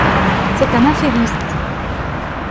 C'est un affairiste.